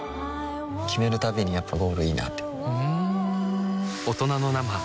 決めるたびにやっぱゴールいいなってふん